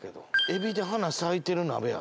エビで花咲いてる鍋や。